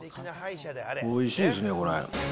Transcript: おいしいですね、これ。